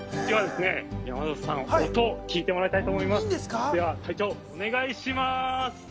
山里さん、音を聞いてもらいたいと思います。